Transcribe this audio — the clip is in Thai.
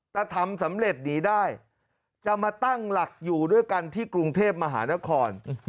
ถ้าทำสำเร็จหนีได้จะมาตั้งหลักอยู่ด้วยกันที่กรุงเทพมหานคร